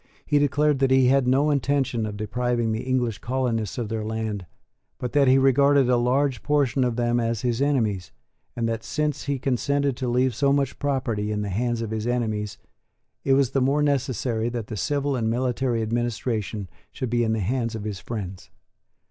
He declared that he had no intention of depriving the English colonists of their land, but that he regarded a large portion of them as his enemies, and that, since he consented to leave so much property in the hands of his enemies, it was the more necessary that the civil and military administration should be in the hands of his friends.